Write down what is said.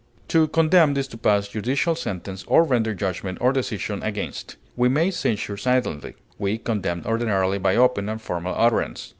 To condemn is to pass judicial sentence or render judgment or decision against. We may censure silently; we condemn ordinarily by open and formal utterance.